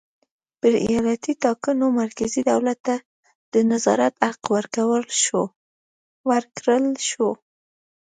پر ایالتي ټاکنو مرکزي دولت ته د نظارت حق ورکړل شو.